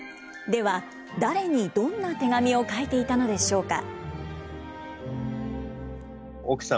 では、誰にどんな手紙を書いていたのでしょうか。